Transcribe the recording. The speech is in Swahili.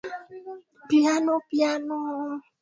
Bana choma motoka yake